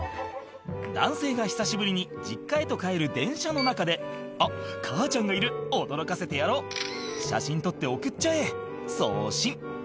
男性が久しぶりに実家へと帰る電車の中で「あっ母ちゃんがいる驚かせてやろう」「写真撮って送っちゃえ送信」